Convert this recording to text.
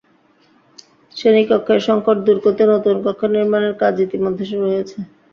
শ্রেণিকক্ষের সংকট দূর করতে নতুন কক্ষ নির্মাণের কাজ ইতিমধ্যে শুরু হয়েছে।